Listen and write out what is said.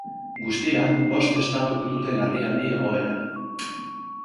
Guztira, bost estatuk dute larrialdi egoera.